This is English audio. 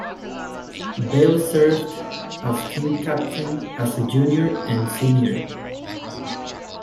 Bell served as team captain as a junior and senior.